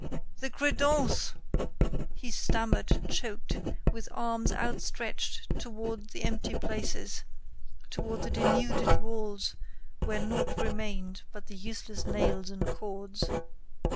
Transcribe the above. The credence!" He stammered, choked, with arms outstretched toward the empty places, toward the denuded walls where naught remained but the useless nails and cords.